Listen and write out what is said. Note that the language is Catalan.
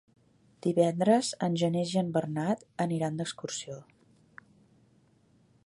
Divendres en Genís i en Bernat aniran d'excursió.